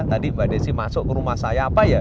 tadi mbak desi masuk ke rumah saya apa ya